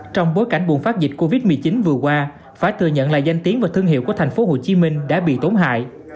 trong bối cảnh buồn phát dịch covid một mươi chín vừa qua phải thừa nhận là danh tiếng và thương hiệu của thành phố hồ chí minh đã bị tốn hại